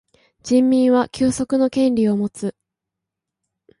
人民は休息の権利をもつ。